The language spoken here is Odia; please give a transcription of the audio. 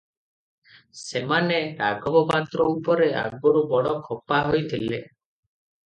ସେମାନେ ରାଘବ ପାତ୍ର ଉପରେ ଆଗରୁ ବଡ଼ ଖପା ହୋଇଥିଲେ ।